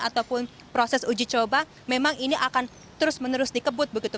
ataupun proses uji coba memang ini akan terus menerus dikebut begitu